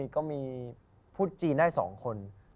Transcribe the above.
ก็มีพูดจีนได้๒คน